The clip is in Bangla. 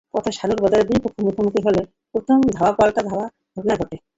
পথে সানুর বাজারে দুই পক্ষ মুখোমুখি হলে প্রথমে ধাওয়াপাল্টাধাওয়ার ঘটনা ঘটে।